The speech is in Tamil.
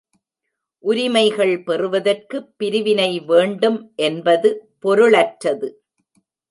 உரிமைகள் பெறுவதற்கு பிரிவினை வேண்டும் என்பது பொருளற்றது.